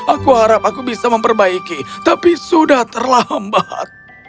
aku harap aku bisa memperbaiki tapi sudah terlambat